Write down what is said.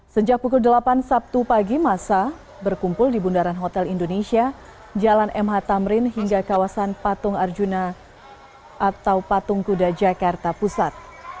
sejak pukul delapan sabtu pagi masa berkumpul di bundaran hotel indonesia jalan mh tamrin hingga kawasan patung arjuna atau patung kuda jakarta pusat